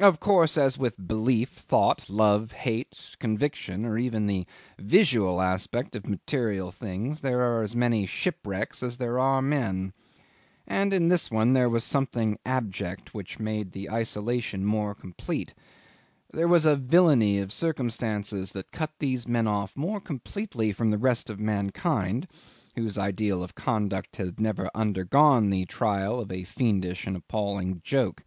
Of course, as with belief, thought, love, hate, conviction, or even the visual aspect of material things, there are as many shipwrecks as there are men, and in this one there was something abject which made the isolation more complete there was a villainy of circumstances that cut these men off more completely from the rest of mankind, whose ideal of conduct had never undergone the trial of a fiendish and appalling joke.